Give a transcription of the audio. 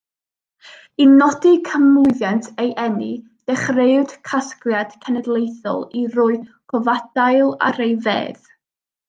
I nodi canmlwyddiant ei eni dechreuwyd casgliad cenedlaethol i roi cofadail ar ei fedd.